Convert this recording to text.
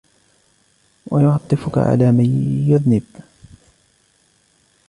وَيُعَطِّفُك عَلَى مَنْ يُذْنِبُ